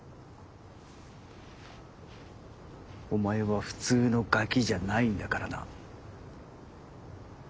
お前は普通のガキじゃないんだからな。